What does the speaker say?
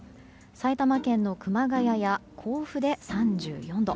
埼玉県の熊谷や甲府で３４度。